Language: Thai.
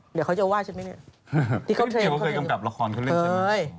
เดี๋ยวเขาจะว่าฉันไหมเนี่ย